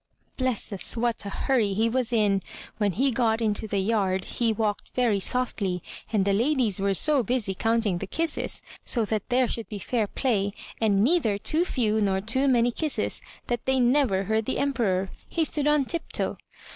Bless us, what a hurry he was in ! When he got into the yard, he walked very softly and the ladies were so busy counting the kisses, so that there should be fair play, and neither too few nor too many kisses, that they never heard the Emperor. He stood on tiptoe.